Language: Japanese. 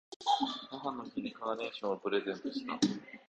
母の日にカーネーションをプレゼントした。